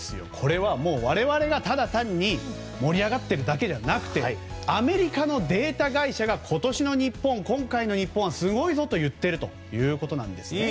これは、我々がただ単に盛り上がっているだけではなくアメリカのデータ会社が今年の日本、今回の日本はすごいぞと言っているということなんです。